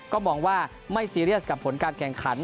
ก็มองว่าไม่ซีเรียสกับผลการแข่งขัน